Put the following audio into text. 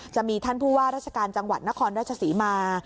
จะมีท่านผู้ว่าราชการจังหวัดนครราชศรีมา